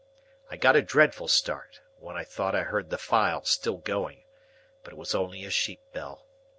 I got a dreadful start, when I thought I heard the file still going; but it was only a sheep bell.